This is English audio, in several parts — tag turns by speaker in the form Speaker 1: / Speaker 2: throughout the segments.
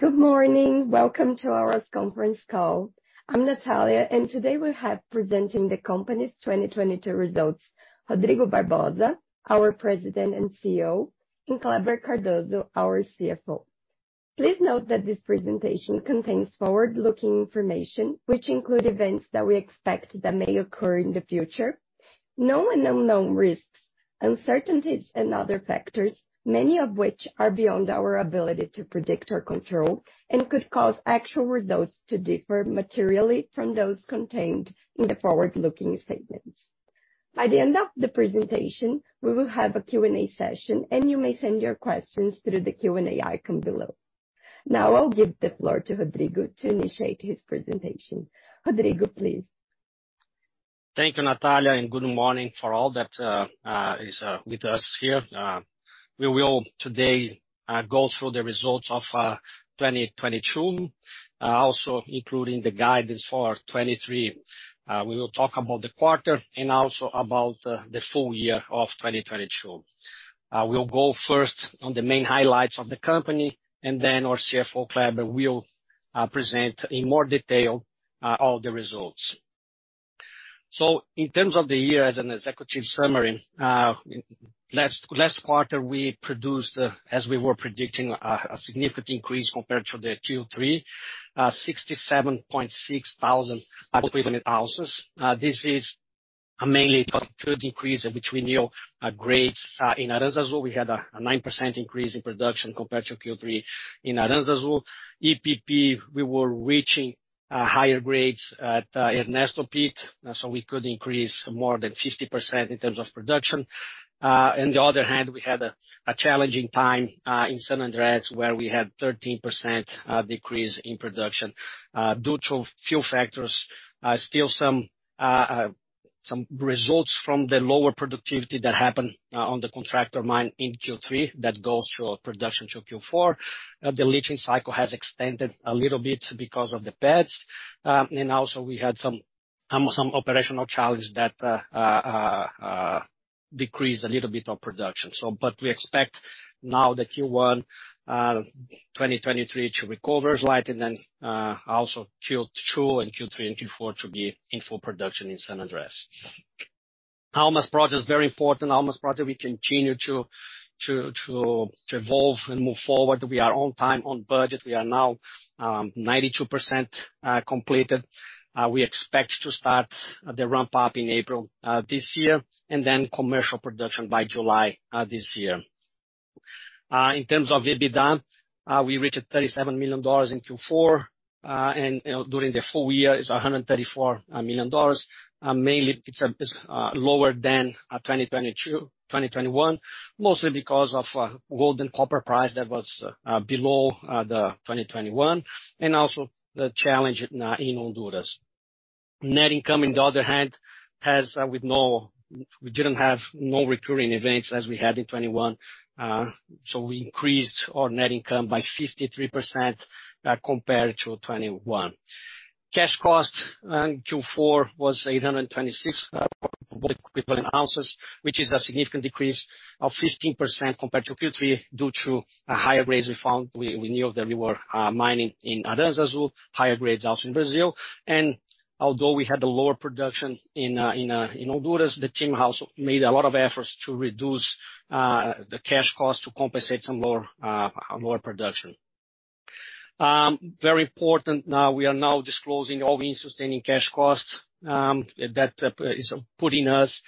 Speaker 1: Good morning. Welcome to our conference call. I'm Natalia, and today we have presenting the company's 2022 results, Rodrigo Barbosa, our President and CEO, and Kleber Cardoso, our CFO. Please note that this presentation contains forward-looking information which include events that we expect that may occur in the future. Known and unknown risks, uncertainties and other factors, many of which are beyond our ability to predict or control, and could cause actual results to differ materially from those contained in the forward-looking statements. By the end of the presentation, we will have a Q&A session, and you may send your questions through the Q&A icon below. Now, I'll give the floor to Rodrigo to initiate his presentation. Rodrigo, please.
Speaker 2: Thank you, Natalia. Good morning for all that is with us here. We will today go through the results of 2022, also including the guidance for 2023. We will talk about the quarter and also about the full year of 2022. We'll go first on the main highlights of the company and then our CFO, Kleber, will present in more detail all the results. In terms of the year as an executive summary, last quarter, we produced, as we were predicting, a significant increase compared to the Q3, 67.6 thousand gold equivalent ounces. This is mainly cost could increase, which we knew, grades, in Aranzazu, we had a 9% increase in production compared to Q3 in Aranzazu. EPP, we were reaching higher grades at Ernesto Pit, so we could increase more than 50% in terms of production. On the other hand, we had a challenging time in San Andres, where we had 13% decrease in production due to a few factors. Still some results from the lower productivity that happened on the contractor mine in Q3 that goes through production to Q4. The leaching cycle has extended a little bit because of the pads. We had some operational challenges that decrease a little bit of production. We expect now the Q1 2023 to recover slightly, and then also Q2 and Q3 and Q4 to be in full production in San Andres. Almas Project is very important. Almas Project we continue to evolve and move forward. We are on time, on budget. We are now 92% completed. We expect to start the ramp up in April this year and then commercial production by July this year. In terms of EBITDA, we reached $37 million in Q4. You know, during the full year is $134 million. Mainly it's lower than 2021, mostly because of gold and copper price that was below the 2021 and also the challenge in Honduras. Net income, in the other hand, We didn't have no recurring events as we had in 2021, so we increased our net income by 53% compared to 2021. Cash cost in Q4 was 826 gold equivalent ounces, which is a significant decrease of 15% compared to Q3 due to higher grades we found. We knew that we were mining in Aranzazu, higher grades also in Brazil. Although we had a lower production in Honduras, the team also made a lot of efforts to reduce the cash costs to compensate some lower production. Very important, we are now disclosing All-in Sustaining cash costs. That is putting us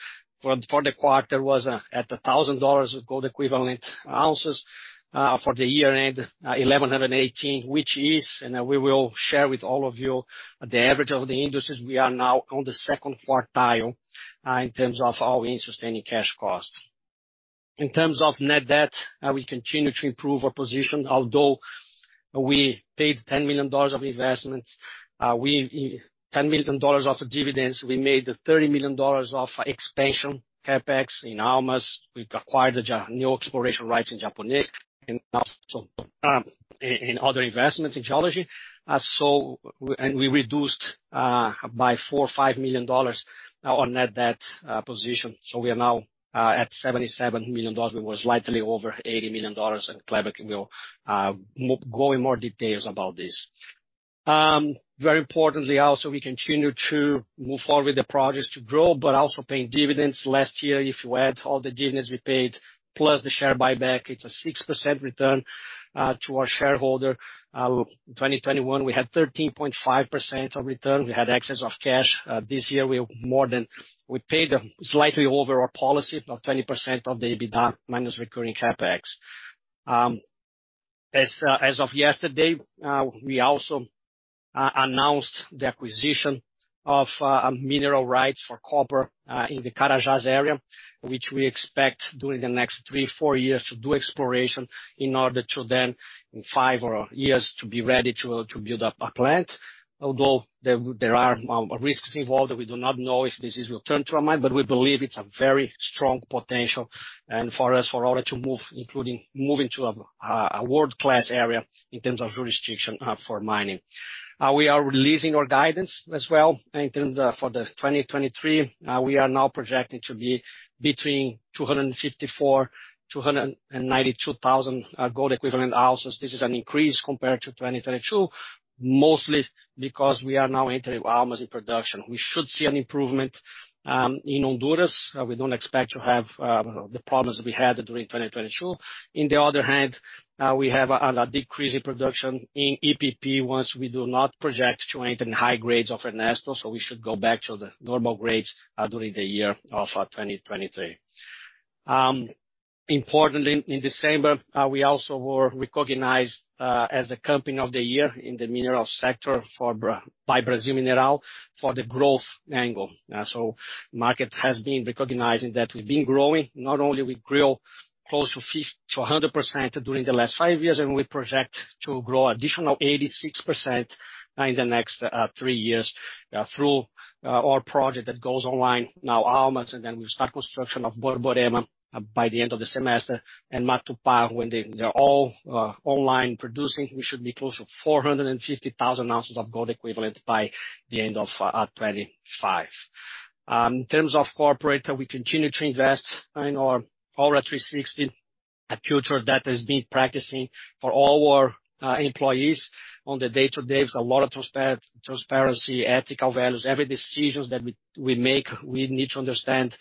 Speaker 2: for the quarter was at $1,000 of gold equivalent ounces. For the year-end, 1,118, which is, we will share with all of you the average of the industries, we are now on the second quartile in terms of our in sustaining cash costs. In terms of net debt, we continue to improve our position. Although we paid $10 million of investments, $10 million of dividends, we made $30 million of expansion CapEx in Almas. We've acquired the new exploration rights in Japonês, and also in other investments in geology. We reduced by $4 million-$5 million our net debt position. We are now at $77 million. We were slightly over $80 million. Kleber will go in more details about this. Very importantly also, we continue to move forward with the projects to grow, but also paying dividends. Last year, if you add all the dividends we paid plus the share buyback, it's a 6% return to our shareholder. 2021, we had 13.5% of return. We had excess of cash. This year we paid slightly over our policy of 20% of the EBITDA minus recurring CapEx. As of yesterday, we also announced the acquisition of mineral rights for copper in the Carajás area, which we expect during the next 3-4 years to do exploration in order to then, in five or years, to be ready to build up a plant. Although there are risks involved. We do not know if this will turn to a mine, but we believe it's a very strong potential. For us, for Aura to move, including moving to a world-class area in terms of jurisdiction for mining. We are releasing our guidance as well. In term for 2023, we are now projecting to be between 254, 292,000 gold equivalent ounces. This is an increase compared to 2022, mostly because we are now entering Almas in production. We should see an improvement in Honduras. We don't expect to have the problems we had during 2022. In the other hand, we have a decrease in production in EPP once we do not project to maintain high grades of Ernesto, we should go back to the normal grades during the year of 2023. Importantly, in December, we also were recognized as the company of the year in the mineral sector by Brasil Mineral for the growth angle. Market has been recognizing that we've been growing. Not only we grow close to 100% during the last five years, and we project to grow additional 86% in the next three years, through our project that goes online, now Almas, and then we start construction of Borborema by the end of the semester, and Matupá when they're all online producing, we should be close to 450,000 ounces of gold equivalent by the end of 2025. In terms of corporate, we continue to invest in our Aura 360, a culture that has been practicing for all our employees on the day-to-day. There's a lot of transparency, ethical values. Every decisions that we make, we need to understand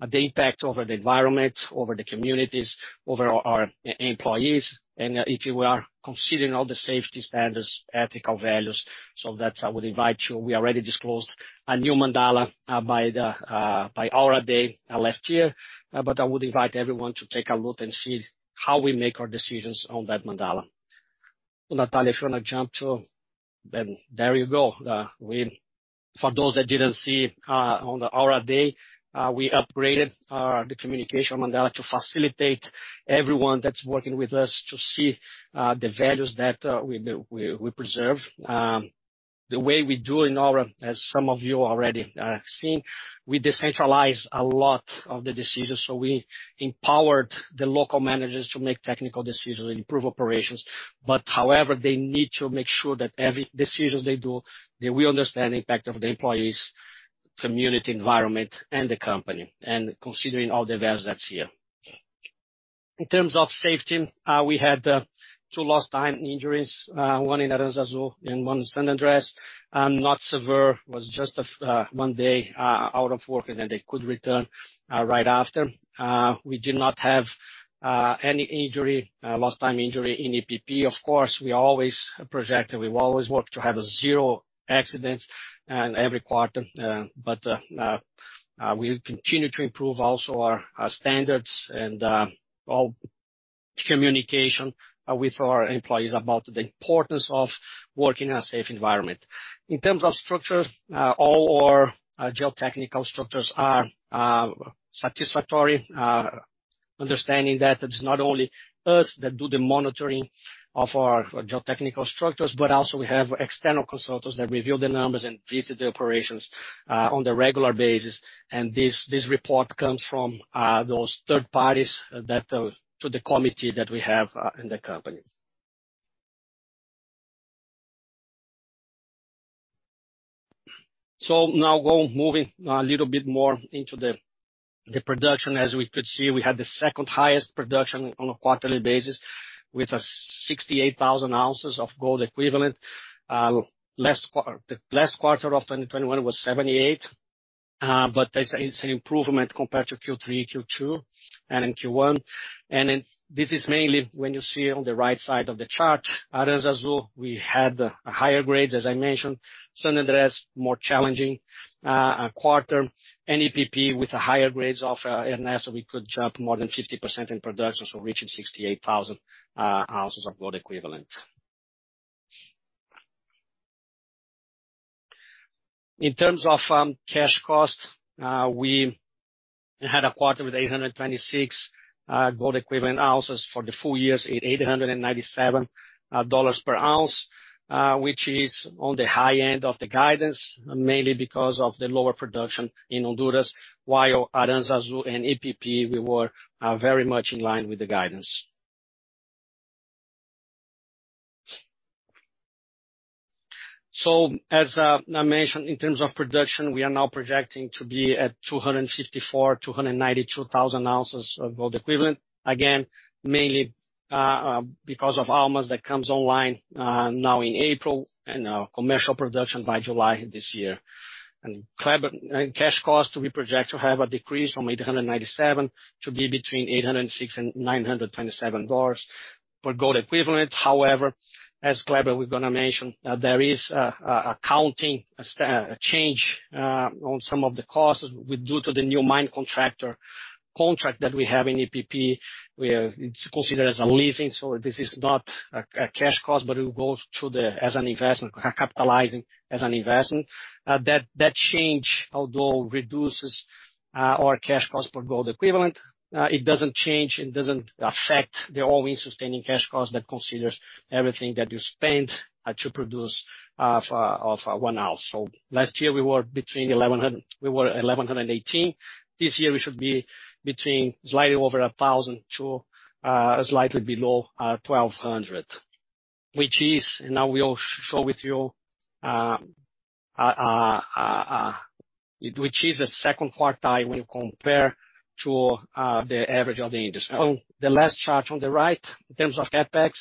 Speaker 2: the impact over the environment, over the communities, over our employees. If you are considering all the safety standards, ethical values, so that I would invite you. We already disclosed a new Mandala by the Aura Day last year. I would invite everyone to take a look and see how we make our decisions on that Mandala. Natalia, if you wanna jump to... Then there you go. For those that didn't see on the Aura Day, we upgraded the communication Mandala to facilitate everyone that's working with us to see the values that we preserve. The way we do in Aura, as some of you already have seen, we decentralize a lot of the decisions. We empowered the local managers to make technical decisions and improve operations. However, they need to make sure that every decisions they do, that we understand the impact of the employees, community, environment, and the company, and considering all the values that's here. In terms of safety, we had two lost time injuries. One in Aranzazu and one in San Andres. Not severe. Was just one day out of work, and then they could return right after. We did not have any injury, lost time injury in EPP. Of course, we always project it. We always work to have zero accidents in every quarter. We continue to improve also our standards and our communication with our employees about the importance of working in a safe environment. In terms of structure, all our geotechnical structures are satisfactory. Understanding that it's not only us that do the monitoring of our geotechnical structures, but also we have external consultants that review the numbers and visit the operations on a regular basis. This report comes from those third parties that to the committee that we have in the company. Moving a little bit more into the production. As we could see, we had the second highest production on a quarterly basis with a 68,000 ounces of gold equivalent. The last quarter of 2021 was 78, but it's an improvement compared to Q3, Q2, and Q1. This is mainly when you see on the right side of the chart, Aranzazu, we had higher grades, as I mentioned. San Andres, more challenging quarter. EPP with higher grades of Ernesto, we could jump more than 50% in production, so reaching 68,000 ounces of gold equivalent. In terms of cash costs, we had a quarter with $826 gold equivalent ounces. For the full years, $897 per ounce, which is on the high end of the guidance, mainly because of the lower production in Honduras, while Aranzazu and EPP, we were very much in line with the guidance. As I mentioned, in terms of production, we are now projecting to be at 254,000-292,000 ounces of gold equivalent. Again, mainly because of Almas that comes online now in April and commercial production by July this year. Cash costs, we project to have a decrease from $897 to be between $806 and $927 per gold equivalent. However, as Kleber was gonna mention, there is a accounting change on some of the costs due to the new mine contractor contract that we have in EPP, where it's considered as a leasing. This is not a cash cost, but it goes as an investment, capitalizing as an investment. That change, although reduces our cash cost per gold equivalent, it doesn't change, it doesn't affect the All-in Sustaining cash costs that considers everything that you spend to produce of 1 ounce. Last year, we were at 1,118. This year, we should be between slightly over 1,000 to slightly below 1,200. Which is now we'll show with you, which is a second quartile when you compare to the average of the industry. On the last chart on the right, in terms of CapEx,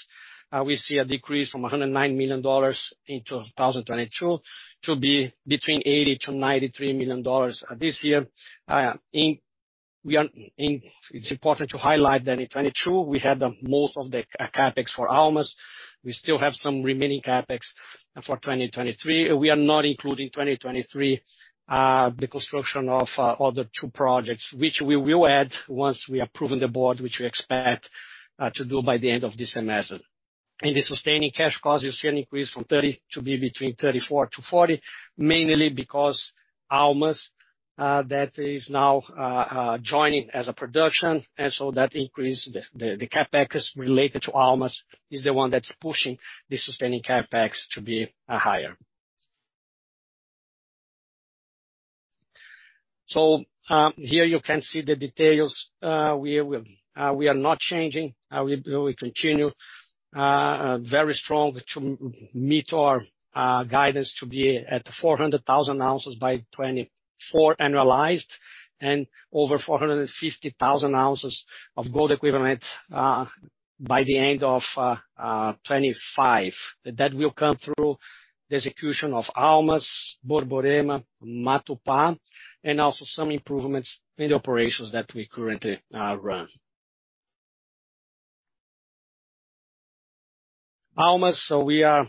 Speaker 2: we see a decrease from $109 million in 2022 to be between $80 million-$93 million this year. It's important to highlight that in 2022, we had the most of the CapEx for Almas. We still have some remaining CapEx for 2023. We are not including 2023, the construction of other two projects, which we will add once we approve in the board, which we expect to do by the end of this semester. In the sustaining cash costs, you see an increase from $30 to be between $34-$40, mainly because Almas that is now joining as a production, that increase the CapEx related to Almas is the one that's pushing the sustaining CapEx to be higher. Here you can see the details. We are not changing. We continue very strong to meet our guidance to be at 400,000 ounces by 2024 annualized and over 450,000 ounces of gold equivalent by the end of 2025. That will come through the execution of Almas, Borborema, Matupá, and also some improvements in the operations that we currently run. Almas, we are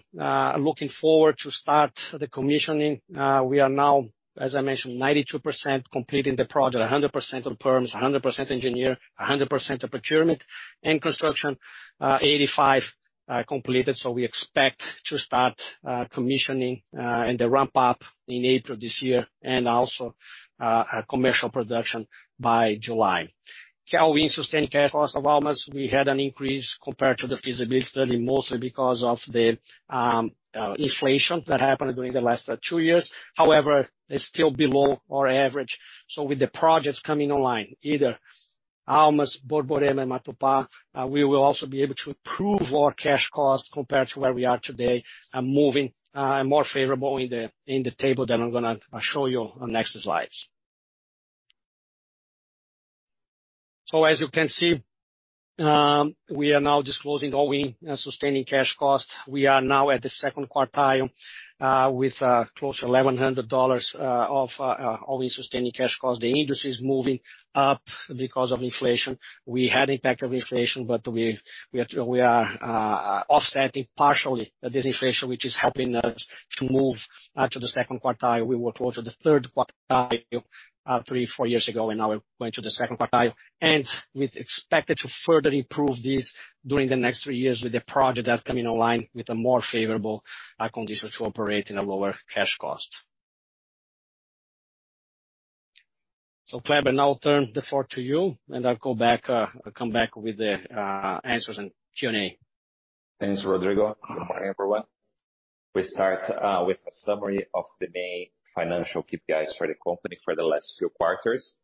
Speaker 2: looking forward to start the commissioning. We are now, as I mentioned, 92% complete in the project, 100% on permits, 100% engineer, 100% on procurement. In construction, 85% completed. We expect to start commissioning and the ramp up in April this year, and also commercial production by July. Here we're in sustaining cash costs of Almas. We had an increase compared to the feasibility study, mostly because of the inflation that happened during the last two years. However, they're still below our average. With the projects coming online, either Almas, Borborema, Matupá, we will also be able to improve our cash costs compared to where we are today and moving more favorable in the table that I'm gonna show you on next slides. As you can see, we are now disclosing All-in Sustaining cash costs. We are now at the second quartile, with close to $1,100 of All-in Sustaining cash costs. The industry is moving up because of inflation. We had impact of inflation, but we are offsetting partially this inflation, which is helping us to move to the second quartile. We were close to the third quartile, three, four years ago, and now we're going to the second quartile. We expect to further improve this during the next three years with the project that coming online with a more favorable condition to operate in a lower cash cost. Kleber, now I'll turn the floor to you, and I'll go back, come back with the answers in Q&A.
Speaker 3: Thanks, Rodrigo. Good morning, everyone. We start with a summary of the main financial KPIs for the company for the last few quarters.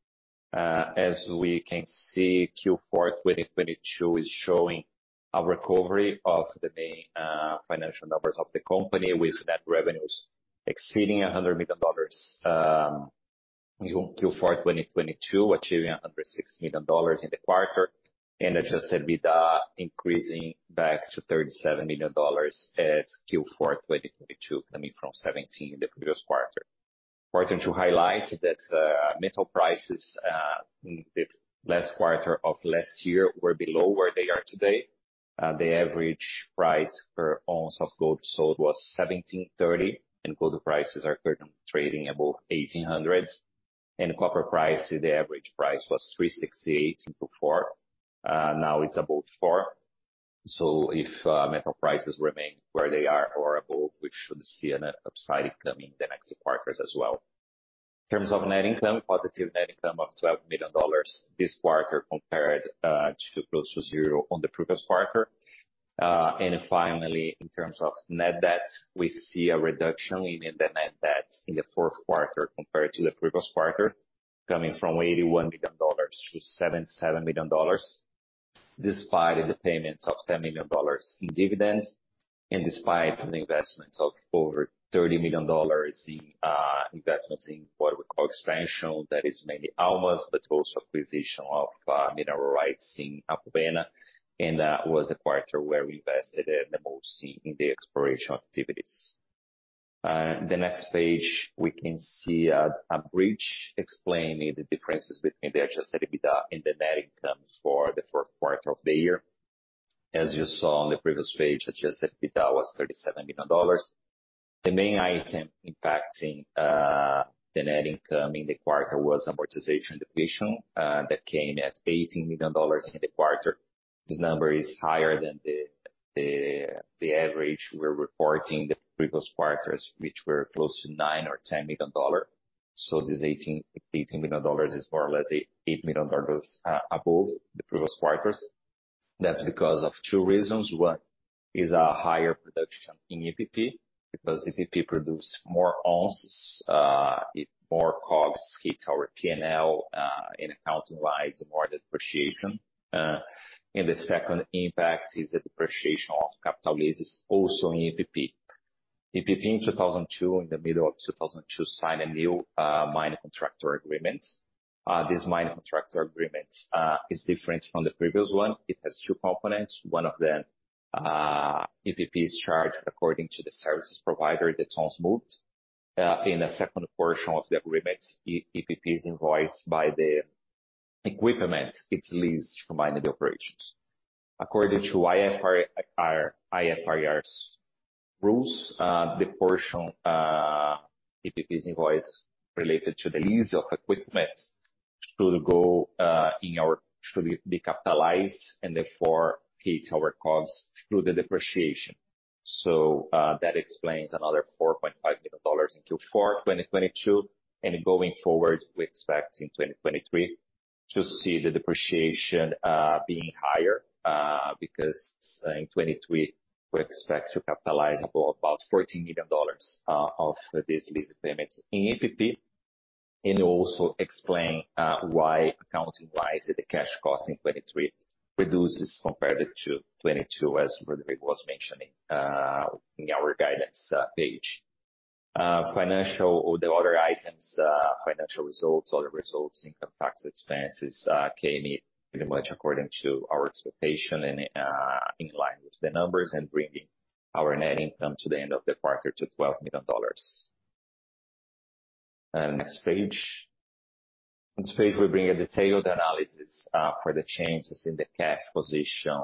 Speaker 3: As we can see, Q4 2022 is showing a recovery of the main financial numbers of the company, with net revenues exceeding $100 million in Q4 2022, achieving $106 million in the quarter. Adjusted EBITDA increasing back to $37 million at Q4 2022, coming from 17 in the previous quarter. Important to highlight that metal prices in the last quarter of last year were below where they are today. The average price per ounce of gold sold was $1,730, and gold prices are currently trading above $1,800. Copper price, the average price was $3.68 in Q4. Now it's above $4. If metal prices remain where they are or above, we should see an upside coming in the next quarters as well. In terms of net income, positive net income of $12 million this quarter compared to close to zero on the previous quarter. Finally, in terms of net debt, we see a reduction in the net debt in the fourth quarter compared to the previous quarter, coming from $81 million to $77 million, despite the payment of $10 million in dividends and despite an investment of over $30 million in investments in what we call expansion. That is mainly Almas, but also acquisition of mineral rights in Apoena. Was the quarter where we invested the most in the exploration activities. The next page, we can see a bridge explaining the differences between the adjusted EBITDA and the net income for the fourth quarter of the year. As you saw on the previous page, adjusted EBITDA was $37 million. The main item impacting the net income in the quarter was amortization and depreciation that came at $18 million in the quarter. This number is higher than the average we're reporting the previous quarters, which were close to $9 million or $10 million. This $18 million is more or less $8 million above the previous quarters. That's because of two reasons. One is a higher production in EPP. EPP produce more ounces, more costs hit our P&L, and accounting-wise, more depreciation. The second impact is the depreciation of capital leases also in EPP. EPP in 2002, in the middle of 2002, signed a new mine contractor agreement. This mine contractor agreement is different from the previous one. It has two components. One of them, EPP is charged according to the services provider, the tons moved. In a second portion of the agreement, EPP is invoiced by the equipment it's leased from mining operations. According to IFRS rules, the portion EPP's invoice related to the lease of equipment should be capitalized, and therefore, hit our costs through the depreciation. That explains another $4.5 million in Q4 of 2022. Going forward, we expect in 2023 to see the depreciation being higher because in 2023, we expect to capitalize about $14 million of this lease payments in EPP. Also explain why accounting-wise, the cash cost in 2023 reduces compared to 2022, as Rodrigo was mentioning in our guidance page. Financial or the other items, financial results, other results, income tax expenses came in pretty much according to our expectation and in line with the numbers and bringing our net income to the end of the quarter to $12 million. Next page. This page will bring a detailed analysis for the changes in the cash position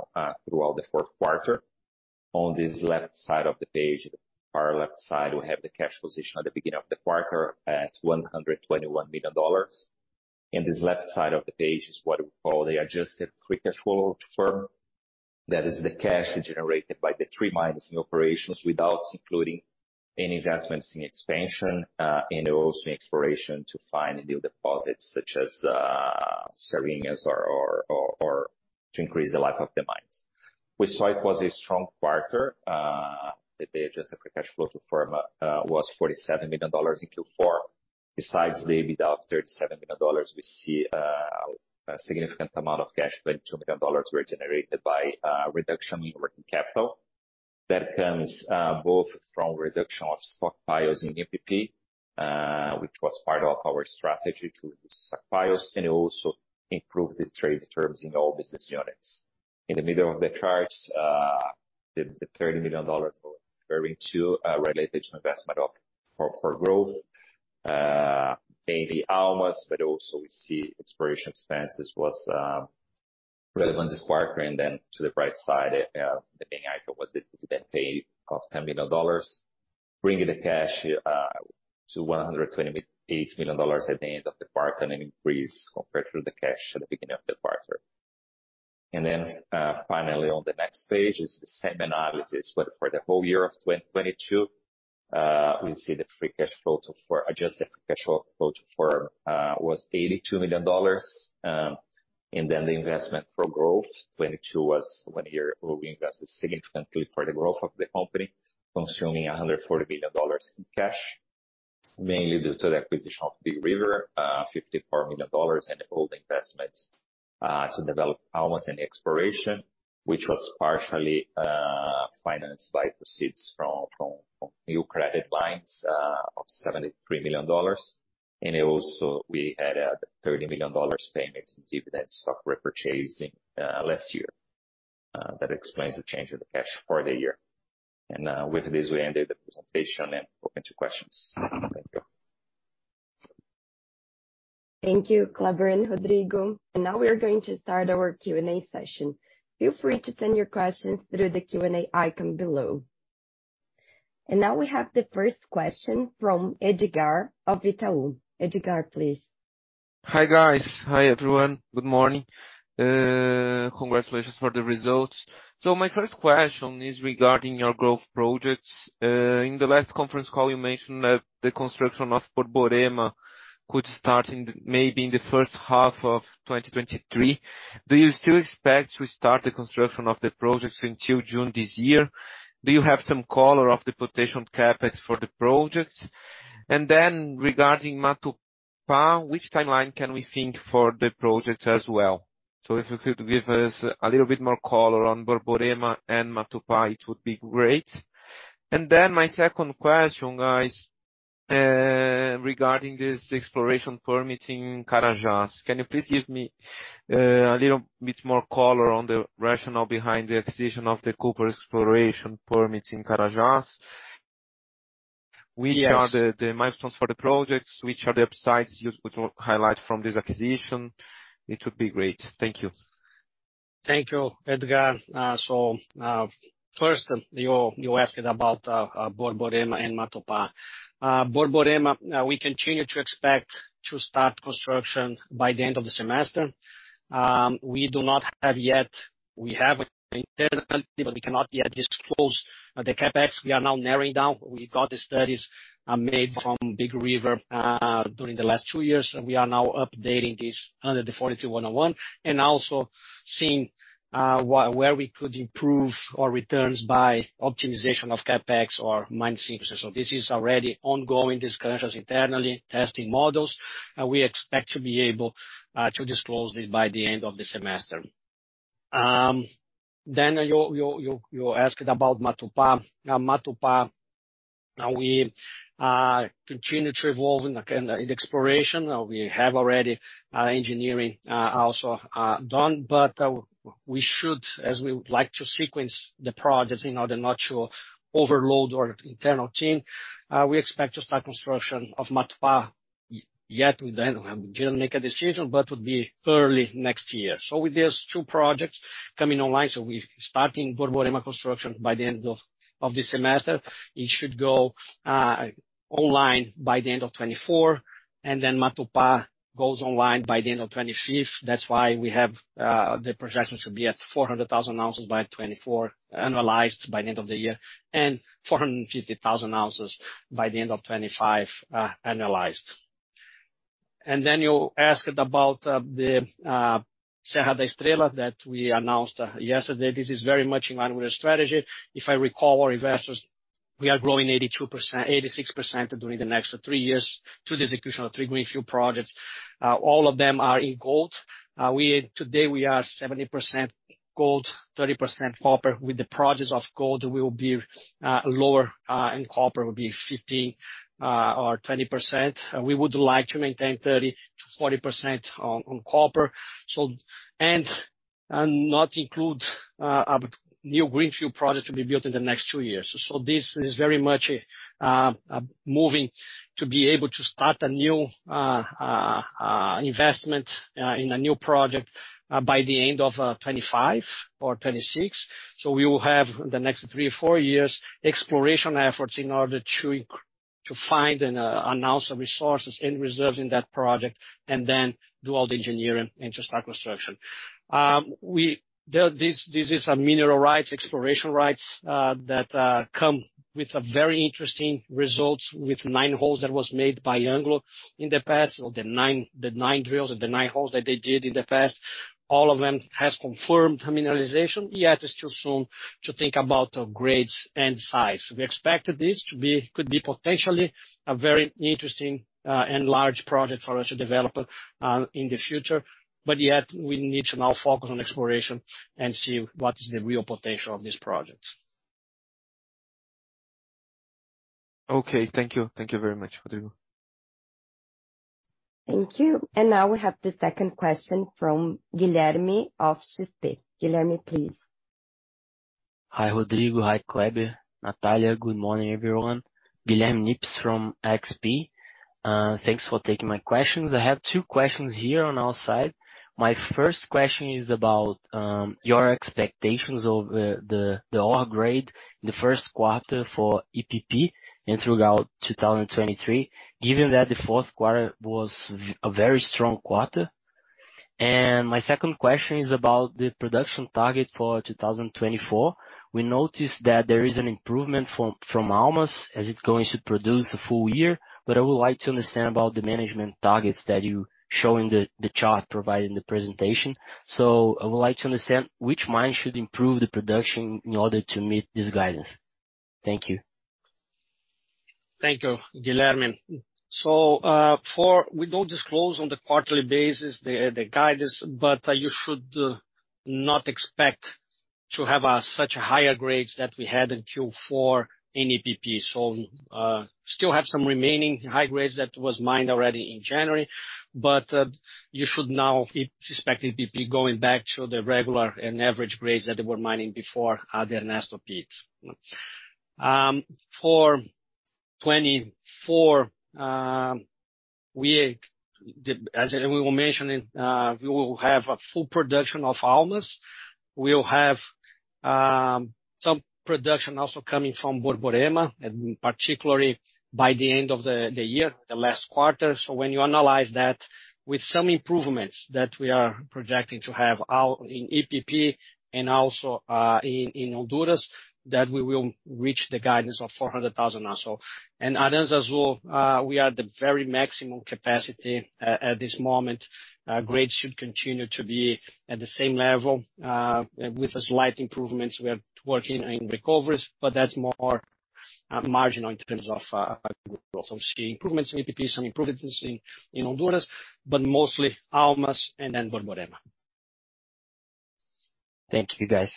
Speaker 3: throughout the fourth quarter. On this left side of the page, the far left side, we have the cash position at the beginning of the quarter at $121 million. In this left side of the page is what we call the Adjusted Free Cash Flow to Firm. That is the cash generated by the three mining operations without including any investments in expansion, and also in exploration to find new deposits, such as Serrinhas or to increase the life of the mines. We saw it was a strong quarter. The Adjusted Free Cash Flow to Firm was $47 million in Q4. Besides the EBITDA of $37 million, we see a significant amount of cash, $22 million were generated by reduction in working capital. That comes both from reduction of stockpiles in EPP, which was part of our strategy to reduce stockpiles and also improve the trade terms in all business units. In the middle of the charts, the $30 million referring to related to investment for growth, mainly Almas, but also we see exploration expenses was relevant this quarter. To the right side, the big item was the dividend pay of $10 million, bringing the cash to $128 million at the end of the quarter, an increase compared to the cash at the beginning of the quarter. Finally on the next page is the same analysis, but for the whole year of 2022. We see the Free Cash Flow to Firm was $82 million. The investment for growth in 2022 was one year where we invested significantly for the growth of the company, consuming $140 million in cash, mainly due to the acquisition of Big River, $54 million, and other investments to develop Almas and exploration, which was partially financed by proceeds from new credit lines of $73 million. We had a $30 million payment in dividend stock repurchase last year. That explains the change in the cash for the year. With this, we end the presentation and open to questions. Thank you
Speaker 1: Thank you, Kleber and Rodrigo. Now we are going to start our Q&A session. Feel free to send your questions through the Q&A icon below. Now we have the first question from Edgar of Itaú. Edgar, please.
Speaker 4: Hi, guys. Hi, everyone. Good morning. Congratulations for the results. My first question is regarding your growth projects. In the last conference call, you mentioned that the construction of Borborema could start maybe in the first half of 2023. Do you still expect to start the construction of the projects until June this year? Do you have some color of the potential CapEx for the projects? Regarding Matupá, which timeline can we think for the projects as well? If you could give us a little bit more color on Borborema and Matupá, it would be great. My second question, guys, regarding this exploration permit in Carajás. Can you please give me a little bit more color on the rationale behind the acquisition of the copper exploration permits in Carajás?
Speaker 3: Yes.
Speaker 4: Which are the milestones for the projects? Which are the upsides you could highlight from this acquisition? It would be great. Thank you.
Speaker 2: Thank you, Edgar. First, you asked about Borborema and Matupá. Borborema, we continue to expect to start construction by the end of the semester. We do not have yet. We have internally, but we cannot yet disclose the CapEx. We are now narrowing down. We got the studies made from Big River during the last two years, and we are now updating this under the 43-101, and also seeing where we could improve our returns by optimization of CapEx or mining sequences. This is already ongoing discussions internally, testing models, and we expect to be able to disclose this by the end of the semester. Then you asked about Matupá. Now Matupá, we continue to evolving again in exploration. We have already engineering also done. We should, as we would like to sequence the projects in order not to overload our internal team. We expect to start construction of Matupá, yet we didn't make a decision, but would be early next year. With these two projects coming online, we starting Borborema construction by the end of this semester. It should go online by the end of 2024. Matupá goes online by the end of 2025. That's why we have the projections to be at 400,000 ounces by 2024, analyzed by the end of the year, and 450,000 ounces by the end of 2025, analyzed. You asked about the Serra da Estrela that we announced yesterday. This is very much in line with our strategy. If I recall our investors, we are growing 86% during the next 3 years through the execution of three greenfield projects. All of them are in gold. Today we are 70% gold, 30% copper. With the projects of gold, we will be lower in copper. We'll be 15 or 20%. We would like to maintain 30%-40% on copper. And not include new greenfield projects to be built in the next 2 years. This is very much moving to be able to start a new investment in a new project by the end of 2025 or 2026. We will have the next three or four years exploration efforts in order to find and announce resources and reserves in that project and then do all the engineering and to start construction. This is a mineral rights, exploration rights that come with a very interesting results with nine holes that was made by Anglo in the past. The nine drills or the nine holes that they did in the past, all of them has confirmed mineralization. Yet it's too soon to think about the grades and size. We expected this could be potentially a very interesting and large project for us to develop in the future. Yet we need to now focus on exploration and see what is the real potential of this project.
Speaker 4: Okay, thank you. Thank you very much, Rodrigo.
Speaker 1: Thank you. Now we have the second question from Guilherme of XP. Guilherme, please.
Speaker 5: Hi, Rodrigo. Hi, Kleber, Natalia. Good morning, everyone. Guilherme Nippes from XP. Thanks for taking my questions. I have two questions here on our side. My first question is about your expectations of the ore grade in the first quarter for EPP and throughout 2023, given that the fourth quarter was a very strong quarter. My second question is about the production target for 2024. We noticed that there is an improvement from Almas as it's going to produce a full year. I would like to understand about the management targets that you show in the chart provided in the presentation. I would like to understand which mine should improve the production in order to meet this guidance. Thank you.
Speaker 2: Thank you, Guilherme. We don't disclose on the quarterly basis the guidance, but you should not expect to have such higher grades that we had in Q4 in EPP. Still have some remaining high grades that was mined already in January. You should now expect EPP going back to the regular and average grades that they were mining before the Ernesto pit. For 2024, as we were mentioning, we will have a full production of Almas. We'll have some production also coming from Borborema, and particularly by the end of the year, the last quarter. When you analyze that with some improvements that we are projecting to have out in EPP and also in Honduras, that we will reach the guidance of 400,000 also. At Aranzazu, we are at the very maximum capacity at this moment. Grades should continue to be at the same level, with a slight improvements. We are working in recoveries, but that's more marginal in terms of. I'm seeing improvements in EPP, some improvements in Honduras, but mostly Almas and then Borborema.
Speaker 5: Thank you, guys.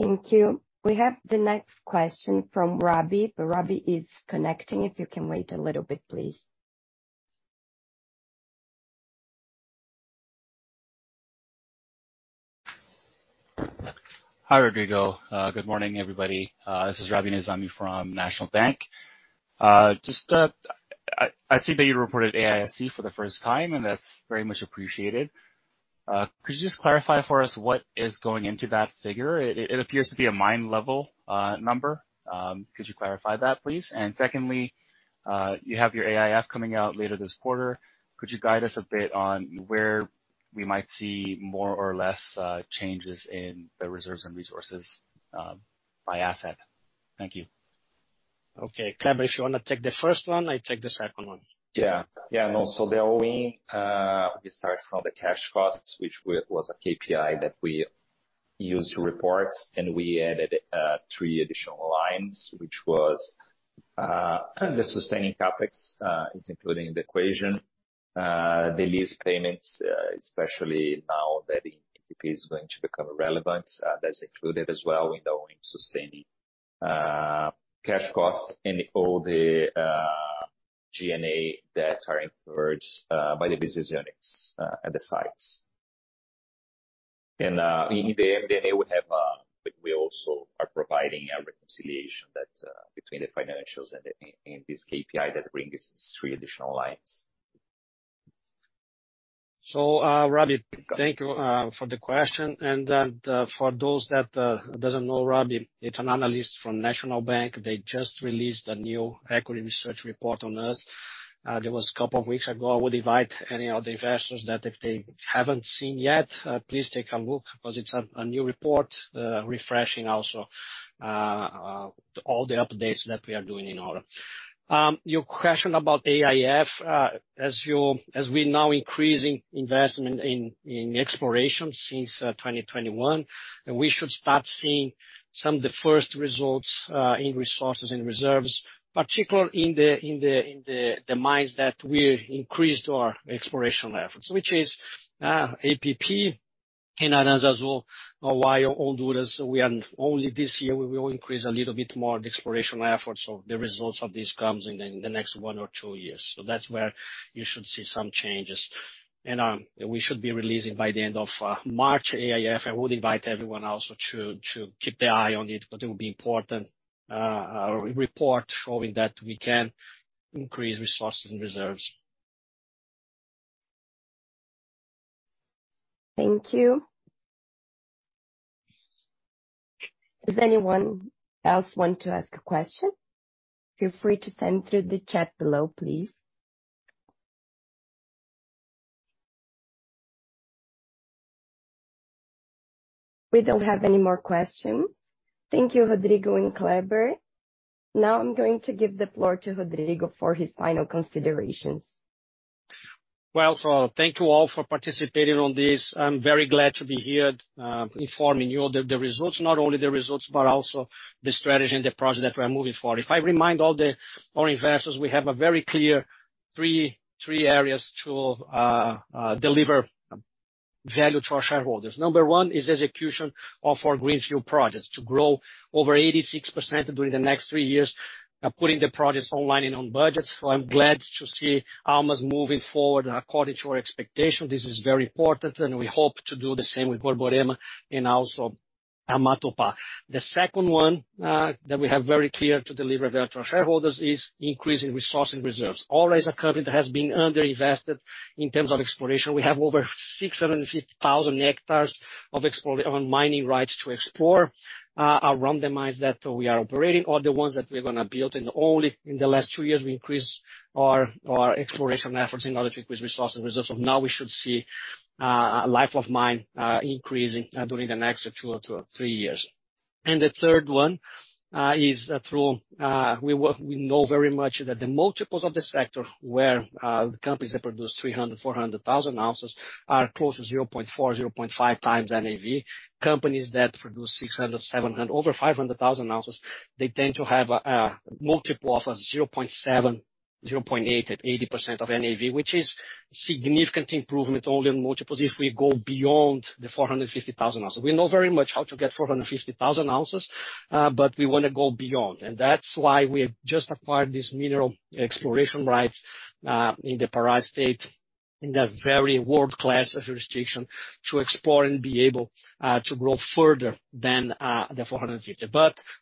Speaker 1: Thank you. We have the next question from Rabi. Rabi is connecting. If you can wait a little bit, please.
Speaker 6: Hi, Rodrigo. Good morning, everybody. This is Rabi Nizami from National Bank. Just, I see that you reported AISC for the first time, and that's very much appreciated. Could you just clarify for us what is going into that figure? It appears to be a mine level, number. Could you clarify that, please? Secondly, you have your AIF coming out later this quarter. Could you guide us a bit on where we might see more or less, changes in the reserves and resources, by asset? Thank you.
Speaker 2: Okay. Kleber, if you wanna take the first one, I take the second one.
Speaker 3: The All-in, we start from the cash costs, which was a KPI that we use reports and we added three additional lines, which was the sustaining CapEx, it's including the equation, the lease payments, especially now that EPP is going to become relevant, that's included as well in our sustaining cash costs and all the G&A that are incurred by the business units at the sites. In the MD&A we have, like we also are providing a reconciliation that between the financials and in this KPI that brings 3 additional lines.
Speaker 2: Rabi, thank you for the question. For those that doesn't know Rabi, he's an analyst from National Bank. They just released a new equity research report on us that was a couple of weeks ago. I would invite any other investors that if they haven't seen yet, please take a look because it's a new report, refreshing also all the updates that we are doing in order. Your question about AIF, as we're now increasing investment in exploration since 2021, we should start seeing some of the first results in resources and reserves, particularly in the mines that we increased our exploration efforts. Which is EPP in Aranzazu, all those. We are only this year, we will increase a little bit more the exploration efforts, so the results of this comes in the next one or two years. That's where you should see some changes. We should be releasing by the end of March, AIF. I would invite everyone also to keep their eye on it, because it will be important, report showing that we can increase resources and reserves.
Speaker 1: Thank you. Does anyone else want to ask a question? Feel free to send through the chat below, please. We don't have any more question. Thank you, Rodrigo and Kleber. I'm going to give the floor to Rodrigo for his final considerations.
Speaker 2: Thank you all for participating on this. I'm very glad to be here, informing you of the results. Not only the results, but also the strategy and the project that we're moving forward. If I remind all our investors, we have a very clear three areas to deliver value to our shareholders. Number one is execution of our greenfield projects to grow over 86% during the next three years, putting the projects online and on budget. I'm glad to see Almas moving forward according to our expectation. This is very important, we hope to do the same with Borborema and also Matupá. The second one that we have very clear to deliver value to our shareholders is increasing resource and reserves. Always a company that has been underinvested in terms of exploration. We have over 650,000 hectares on mining rights to explore. Our randomized data we are operating are the ones that we're gonna build. Only in the last two years, we increased our exploration efforts in order to increase resources. As of now, we should see life of mine increasing during the next 2-3 years. The third one is through, we know very much that the multiples of the sector where the companies that produce 300,000-400,000 ounces are close to 0.4-0.5x NAV. Companies that produce 600,000, 700,000, over 500,000 ounces, they tend to have a multiple of 0.7-0.8, at 80% of NAV. Significant improvement only in multiples if we go beyond the 450,000 ounces. We know very much how to get 450,000 ounces, but we wanna go beyond. That's why we have just acquired this mineral exploration rights, in the Pará state, in a very world-class jurisdiction to explore and be able, to grow further than, the 450.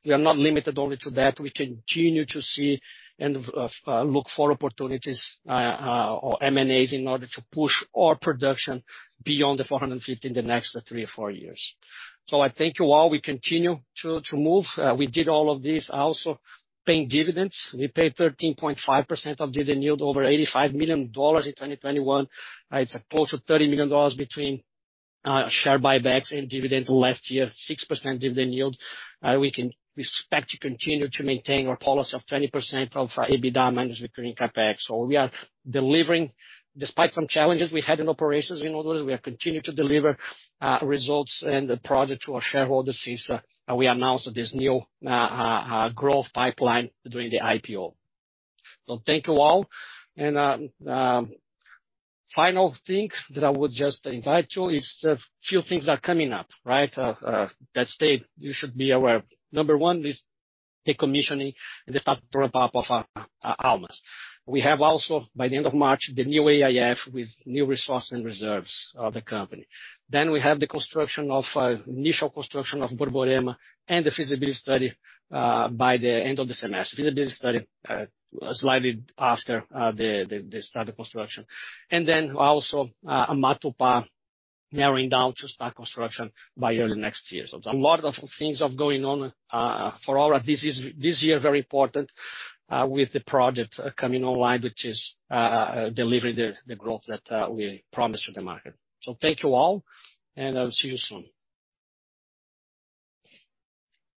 Speaker 2: We are not limited only to that. We continue to see and, look for opportunities, or M&As in order to push our production beyond the 450 in the next three or four years. I thank you all. We continue to move. We did all of this also paying dividends. We paid 13.5% of dividend yield, over $85 million in 2021. It's close to $30 million between share buybacks and dividends last year, 6% dividend yield. We can expect to continue to maintain our policy of 20% of EBITDA minus recurring CapEx. We are delivering, despite some challenges we had in operations, we know those, we have continued to deliver results and the project to our shareholders since we announced this new growth pipeline during the IPO. Thank you all. Final thing that I would just invite you is a few things are coming up, right? That state you should be aware. Number one is decommissioning and the start-up of Almas. We have also by the end of March, the new AIF with new resource and reserves of the company. We have the construction of initial construction of Borborema and the feasibility study by the end of the semester. Feasibility study slightly after the start of construction. Also, Matupá narrowing down to start construction by early next year. There's a lot of things of going on for all of this this year, very important with the project coming online, which is delivering the growth that we promised to the market. Thank you all, and I'll see you soon.